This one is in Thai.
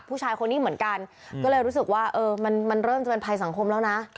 ผู้ชายคนนี้เหมือนกันก็เลยรู้สึกว่ามันเริ่มจะเป็นภัยสังคมแล้วนะ